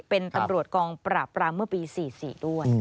เป็นตำรวจกองปราบปรามเมื่อปี๔๔ด้วย